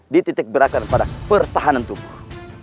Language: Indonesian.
dititik beratkan pada pertahanan tubuh